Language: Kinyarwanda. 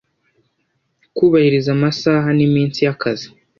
kubahiriza amasaha n iminsi y akazi